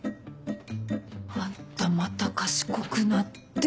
あんたまた賢くなって！